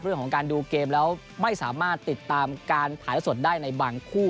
เรื่องของการดูเกมแล้วไม่สามารถติดตามการถ่ายละสดได้ในบางคู่